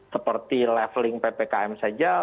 seperti leveling ppkm saja